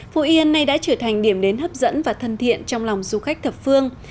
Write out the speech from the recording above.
phú yên nay đã trở thành điểm đến hấp dẫn và thân thiện trong lòng du khách thập phương